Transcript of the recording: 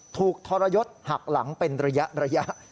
ทรยศหักหลังเป็นระยะ